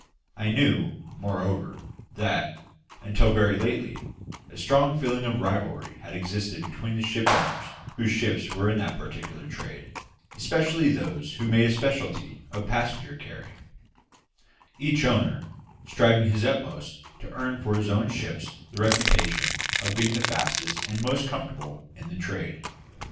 I knew, moreover, that, until very lately, a strong feeling of rivalry had existed between the owners whose ships were in that particular trade especially those who made a speciality of passenger carrying each owner striving his utmost to earn for his own ships the reputation of being the fastest and most comfortable in the trade.